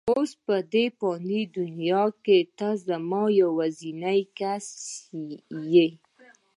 اوس په دې فاني دنیا کې ته زما یوازینۍ کس یې.